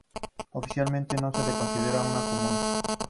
Oficialmente, no se la considera una comuna.